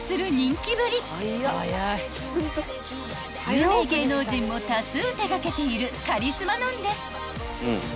［有名芸能人も多数手掛けているカリスマなんです］